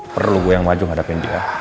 saya harus maju terhadap dia